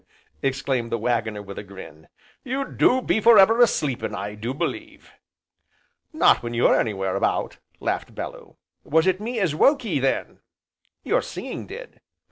exclaimed the Waggoner with a grin, "you do be for ever a sleepin' I do believe!" "Not when you're anywhere about!" laughed Bellew. "Was it me as woke ye then?" "Your singing did."